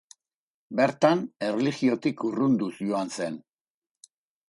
Bertan erlijiotik urrunduz joan zen.